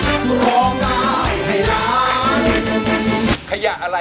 กูร้องได้ให้ร้าน